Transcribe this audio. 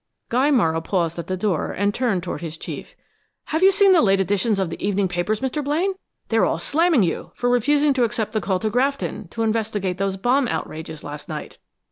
Guy Morrow paused at the door and turned toward his chief. "Have you seen the late editions of the evening papers, Mr. Blaine? They're all slamming you, for refusing to accept the call to Grafton, to investigate those bomb outrages last night."